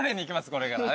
これからね。